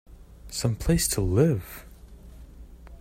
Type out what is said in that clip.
Some place to live!